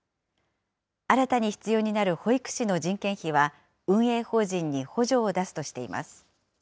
新たに必要になる保育士の人件費は、運営法人に補助を出すとしています。